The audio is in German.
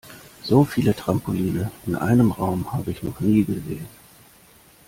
So viele Trampoline in einem Raum habe ich noch nie gesehen.